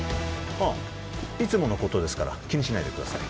ああいつものことですから気にしないでください